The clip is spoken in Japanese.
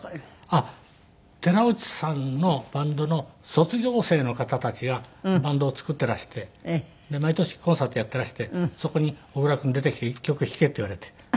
あっ寺内さんのバンドの卒業生の方たちがバンドを作っていらして毎年コンサートやっていらしてそこに「小倉君出てきて一曲弾け」って言われて。